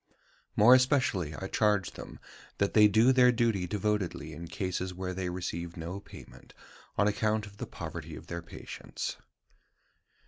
More especially I charge them that they do their duty devotedly in cases where they receive no payment on account of the poverty of their patients.